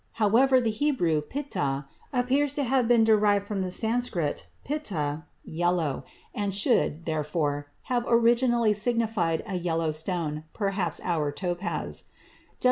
However, the Hebrew piṭdah appears to have been derived from the Sanskrit piṭa, "yellow," and should, therefore, have originally signified a yellow stone, perhaps our topaz.